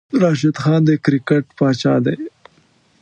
راشد خان د کرکیټ پاچاه دی